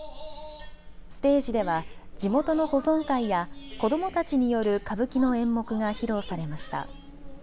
ステージでは地元の保存会や子どもたちによる歌舞伎の演目が披露されました。